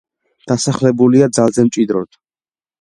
დასახლებულია ძალზე მჭიდროდ.